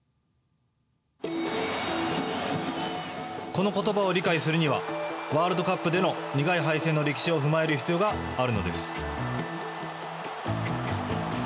このことばを理解するにはワールドカップでの苦い敗戦の歴史を踏まえる必要があるのです。